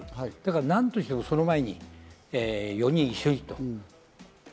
何としてもその前に４人一緒に。